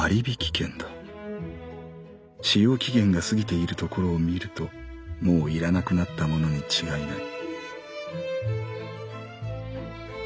使用期限が過ぎているところを見るともう要らなくなったものに違いない」。